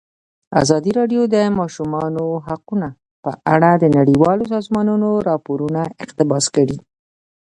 ازادي راډیو د د ماشومانو حقونه په اړه د نړیوالو سازمانونو راپورونه اقتباس کړي.